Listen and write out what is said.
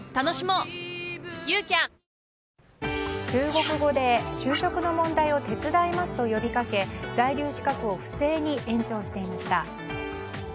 中国語で就職の問題を手伝いますと呼びかけ在留資格を不正に延長していました。